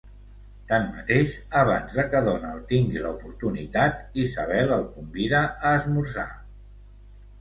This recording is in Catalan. Tanmateix, abans de que Donald tingui la oportunitat, Isabelle el convida a esmorzar.